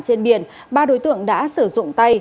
trên biển ba đối tượng đã sử dụng tay